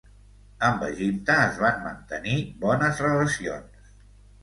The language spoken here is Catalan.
Amb Egipte es van mantenir bones relacions.